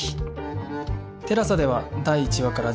ＴＥＬＡＳＡ では第１話から全話配信中